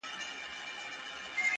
ډېري سترگي به كم كمي له سرونو!.